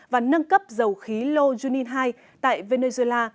và nâng cấp dầu khí loh junin ii tại venezuela